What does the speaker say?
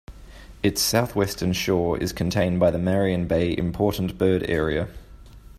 Its south-western shore is contained by the Marion Bay Important Bird Area.